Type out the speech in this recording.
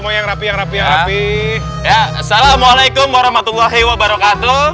ya assalamualaikum warahmatullahi wabarakatuh